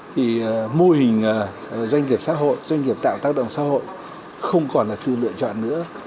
thì mô hình doanh nghiệp xã hội doanh nghiệp tạo tác động xã hội không còn là sự lựa chọn nữa